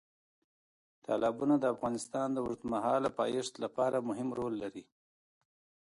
تالابونه د افغانستان د اوږدمهاله پایښت لپاره مهم رول لري.